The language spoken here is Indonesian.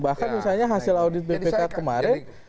bahkan misalnya hasil audit bpk kemarin